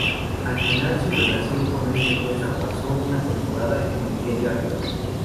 Al final su relación con esa empresa pasó una temporada en el diario Arriba.